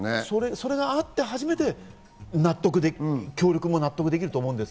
それがあって初めて納得できる、協力も納得できると思うんです。